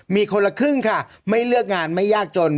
มีคนละครึ่งค่ะไม่เลือกงานไม่ยากจน